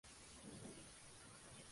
Así, Po idea un plan para derrotar a Kai.